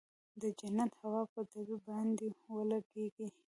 د جنت هوا به درباندې ولګېګي.